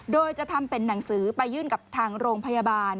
โดยจะทำเป็นหนังสือไปยื่นกับทางโรงพยาบาล